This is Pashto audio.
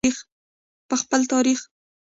په خپل تاریخ.